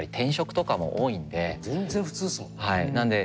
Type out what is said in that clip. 全然普通ですもんね。